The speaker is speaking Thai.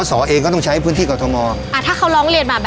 พศเองก็ต้องใช้พื้นที่กฤษโม